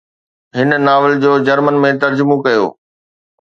هن ناول جو جرمن ۾ ترجمو ڪيو.